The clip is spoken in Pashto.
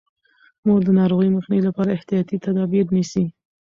مور د ناروغۍ مخنیوي لپاره احتیاطي تدابیر نیسي.